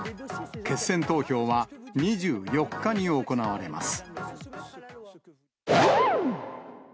決選投票は２４日に行われます。